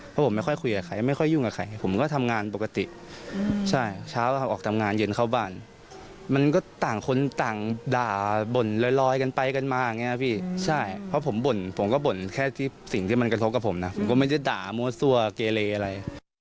เพราะผมไม่ค่อยคุยกับใครไม่ค่อยยุ่งกับใครผมก็ทำงานปกติใช่เช้าออกทำงานเย็นเข้าบ้านมันก็ต่างคนต่างด่าบ่นลอยกันไปกันมาอย่างนี้พี่ใช่เพราะผมบ่นผมก็บ่นแค่ที่สิ่งที่มันกระทบกับผมนะผมก็ไม่ได้ด่ามั่วซั่วเกเลอะไร